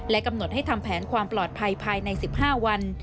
กำหนดให้ทำแผนความปลอดภัยภายใน๑๕วัน